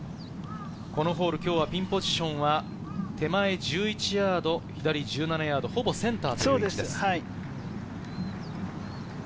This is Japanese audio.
このホール、今日はピンポジションは、手前１１ヤード、左１７ヤード、ほぼセンターという位置です。